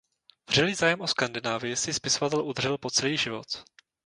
Vřelý zájem o Skandinávii si spisovatel udržel po celý život.